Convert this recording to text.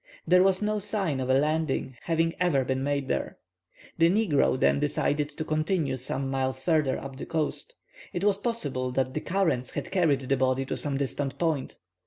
There was no sign of a landing having ever been made there. The negro then decided to continue some miles further up the coast. It was possible that the currents had carried the body to some distant point.